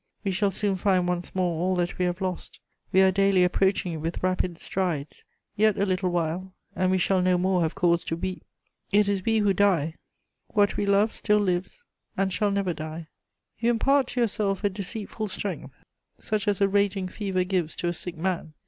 "'We shall soon find once more all that we have lost We are daily approaching it with rapid strides. Yet a little while, and we shall no more have cause to weep. It is we who die: what we love still lives and shall never die.' "'You impart to yourself a deceitful strength, such as a raging fever gives to a sick man.